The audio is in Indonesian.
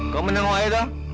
kau menang orhoi dong